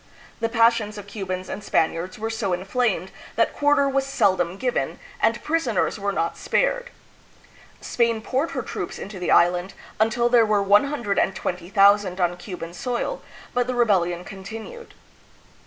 The passions of Cu bans and Spaniards were so inflamed that quarter was seldom given, and prisoners were not spared. Spain poured her troops into the island until there were 120,000 on Cuban soil, but the rebellion continued.